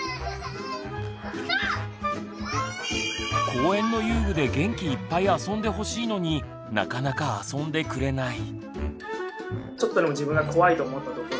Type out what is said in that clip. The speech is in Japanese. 公園の遊具で元気いっぱい遊んでほしいのになかなか遊んでくれない。